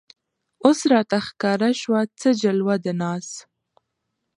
اوس راته ښکاره شوه څه جلوه د ناز